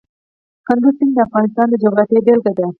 کندز سیند د افغانستان د جغرافیې بېلګه ده.